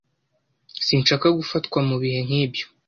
Sinshaka gufatwa mubihe nkibyo.